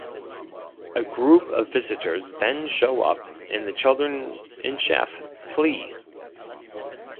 A group of Visitors then show up, and the children and Chef flee.